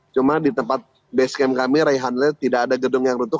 cuma di tempat base camp kami reyhanle tidak ada gedung yang runtuh